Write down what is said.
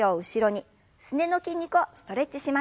すねの筋肉をストレッチしましょう。